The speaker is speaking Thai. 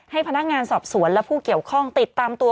ให้พนักงานสอบสวนและผู้เกี่ยวข้องติดตามตัว